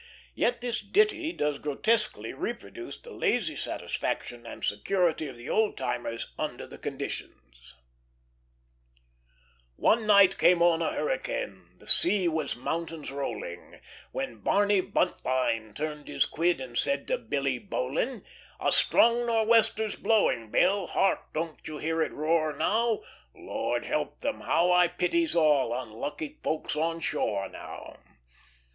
Yet this ditty does grotesquely reproduce the lazy satisfaction and security of the old timers under the conditions: "One night came on a hurricane, The sea was mountains rolling, When Barney Buntline turned his quid And said to Billy Bowline, 'A strong nor'wester's blowing, Bill: Hark! don't you hear it roar now? Lord help them! how I pities all Unlucky folks on shore now.